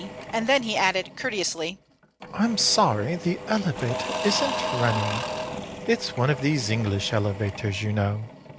And then he added, courteously: "I am sorry the elevator isn't running. It's one of these English elevators, you know."